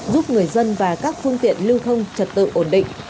giúp người dân và các phương tiện lưu thông trật tự ổn định